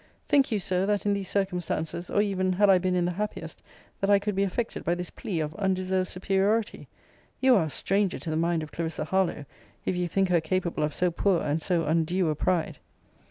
Think you, Sir, that in these circumstances, or even had I been in the happiest, that I could be affected by this plea of undeserved superiority? You are a stranger to the mind of Clarissa Harlowe, if you think her capable of so poor and so undue a pride!